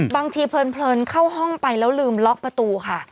เพลินเข้าห้องไปแล้วลืมล็อกประตูค่ะ